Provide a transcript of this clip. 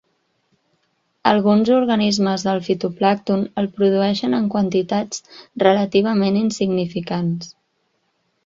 Alguns organismes del fitoplàncton el produeixen en quantitats relativament insignificants.